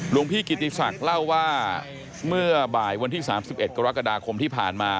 หลวงพี่กิติศักดิ์เล่าว่าเมื่อบ่ายวันที่๓๑กรกฎาคมที่ผ่านมา